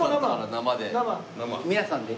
皆さんで。